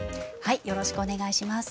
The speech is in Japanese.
よろしくお願いします。